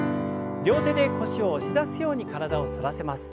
両手で腰を押し出すように体を反らせます。